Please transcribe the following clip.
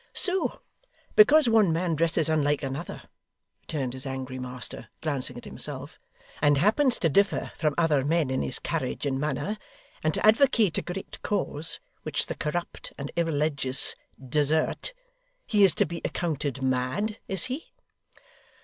'So because one man dresses unlike another,' returned his angry master, glancing at himself; 'and happens to differ from other men in his carriage and manner, and to advocate a great cause which the corrupt and irreligious desert, he is to be accounted mad, is he?